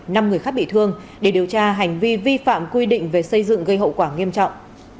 năm người khác bị thương để điều tra hành vi vi phạm quy định về xây dựng gây hậu quả nghiêm trọng